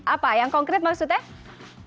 apa yang konkret maksudnya